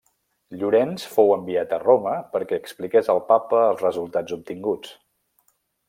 Llorenç fou enviat a Roma perquè expliqués al papa els resultats obtinguts.